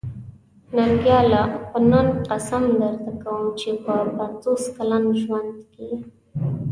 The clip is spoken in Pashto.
ننګياله! په ننګ قسم درته کوم چې په پنځوس کلن ژوند کې.